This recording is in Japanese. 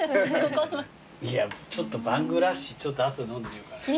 いやちょっとバング・ラッシー後で飲んでみようかな。